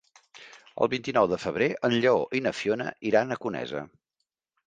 El vint-i-nou de febrer en Lleó i na Fiona iran a Conesa.